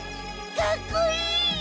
かっこいい！